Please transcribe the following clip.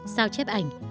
sao chép ảnh